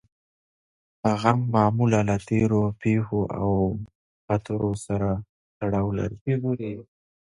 غم معمولاً له تېرو پېښو او خاطرو سره تړاو لري.